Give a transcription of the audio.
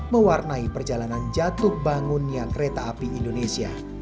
mewarnai perjalanan jatuh bangunnya kereta api indonesia